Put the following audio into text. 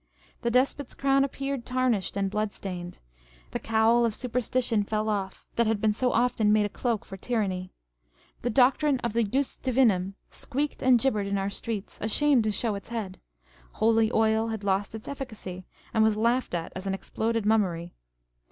The despot's crown ap 2>eared tarnished and blood stained : the cowl of supersti tion fell off, that had been so often made a cloak for tyranny. The doctrine of the Jus Divinam " squeaked and gibbered in our streets," ashamed to show its head : Holy Oil had lost its efficacy, and was laughed at as an explpded mummery.